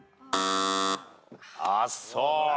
あっそう。